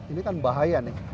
ini kan bahaya nih